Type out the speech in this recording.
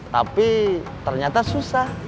tapi ternyata susah